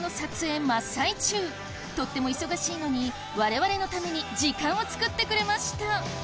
とっても忙しいのに我々のために時間を作ってくれました。